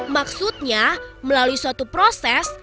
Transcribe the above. maksudnya melalui suatu proses